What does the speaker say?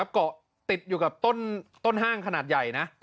เกาะติดอยู่กับต้นห้างขนาดใหญ่นะ